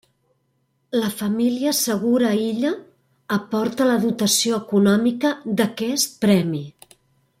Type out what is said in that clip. La família Segura Illa aporta la dotació econòmica d’aquest premi.